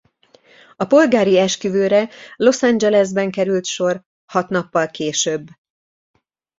A polgári esküvőre Los Angelesben került sor hat nappal később.